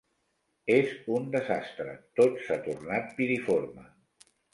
És un desastre. Tot s'ha tornat piriforme.